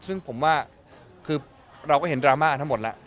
ซึ่งผมว่าคือเราก็เห็นดราม่าทั้งหมดแล้ว